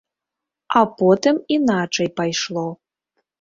А потым іначай пайшло.